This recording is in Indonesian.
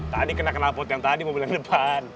tadi kenal kenal pot yang tadi mobil yang depan